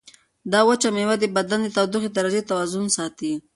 دا وچه مېوه د بدن د تودوخې د درجې توازن ساتي.